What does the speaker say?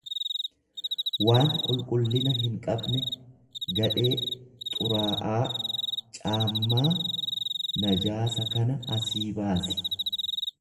waan qulqullina hinqabne, gadhee, xuraa'aa; Caammaa najaasa kana asii baasi!